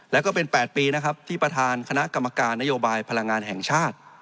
แล้วก็เป็น๘ปีนะครับที่ประธานคณะกรรมการนโยบายพลังงานแห่งชาติ